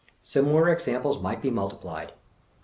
Similar ex amples might be multiplied.